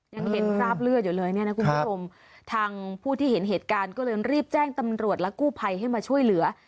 ยังเห็นคราบเลือดอยู่เลยเนี่ยนะคุณผู้ชมทางผู้ที่เห็นเหตุการณ์ก็เลยรีบแจ้งตำรวจและกู้ภัยให้มาช่วยเหลือ